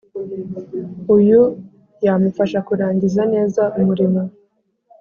Uyu yamufasha kurangiza neza umurimo